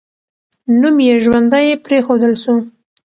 نوم یې ژوندی پرېښودل سو.